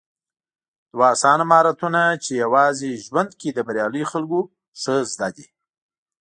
دوه اسانه مهارتونه چې يوازې ژوند کې د برياليو خلکو ښه زده دي